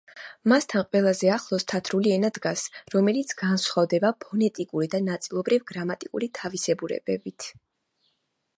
მასთან ყველაზე ახლოს თათრული ენა დგას, რომელიც განსხვავდება ფონეტიკური და ნაწილობრივ გრამატიკული თავისებურებებით.